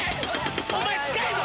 お前近いぞ